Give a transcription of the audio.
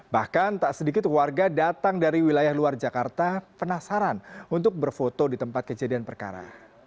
bahkan tak sedikit warga datang dari wilayah luar jakarta penasaran untuk berfoto di tempat kejadian perkara